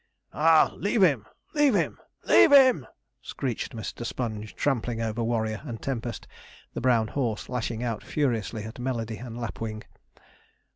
'Ah! leave him leave him leave him!' screeched Mr. Sponge, trampling over Warrior and Tempest, the brown horse lashing out furiously at Melody and Lapwing.